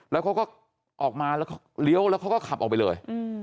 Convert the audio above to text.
แล้วเขาก็ออกมาแล้วก็เลี้ยวแล้วเขาก็ขับออกไปเลย